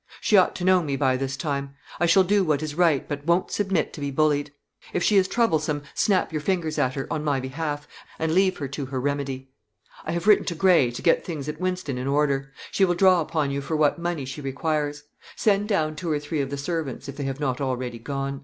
She ought to know me by this time; I shall do what is right, but won't submit to be bullied. If she is troublesome, snap your fingers at her, on my behalf, and leave her to her remedy. I have written to Gray, to get things at Wynston in order. She will draw upon you for what money she requires. Send down two or three of the servants, if they have not already gone.